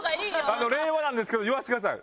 令和なんですけど言わせてください。